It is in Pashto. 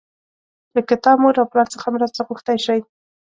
له کتاب، مور او پلار څخه مرسته غوښتی شئ.